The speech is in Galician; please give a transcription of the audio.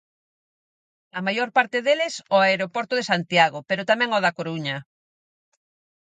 A maior parte deles ó aeroporto de Santiago, pero tamén ó da Coruña.